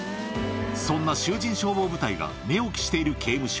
そんな囚人消防部隊が寝起きしている刑務所。